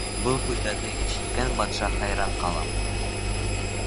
Был һүҙҙәрҙе ишеткән батша хайран ҡала: